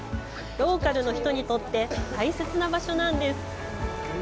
ローカルの人にとって大切な場所なんです。